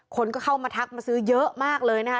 คนก็เข้ามาทักมาซื้อเยอะมากเลยนะคะ